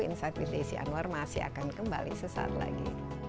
insight with desi anwar masih akan kembali sesaat lagi